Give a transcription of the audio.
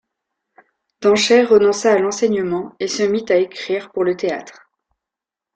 Danchet renonça à l'enseignement et se mit à écrire pour le théâtre.